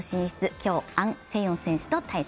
今日、アン・セヨン選手と対戦。